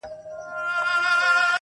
يو څو د ميني افسانې لوستې.